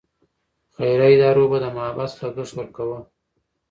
خیریه ادارو به د محبس لګښت ورکاوه.